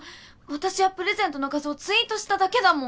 私はプレゼントの画像ツイートしただけだもん！